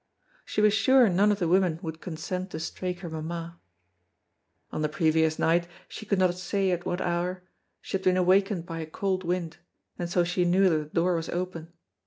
She was sure none of the women would consent to straik her mamma. On the previous night, she could not say at what hour, she had been awakened by a cold wind, and so she knew that the door was open.